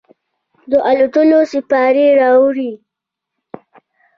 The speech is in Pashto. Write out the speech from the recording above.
د الوتلو سیپارې راوړي